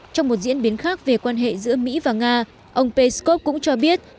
trong một diễn biến khác về quan hệ giữa mỹ và nga ông peskov cũng cho biết